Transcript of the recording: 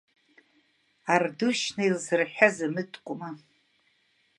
Ардушьна илзырҳәаз амыткәма!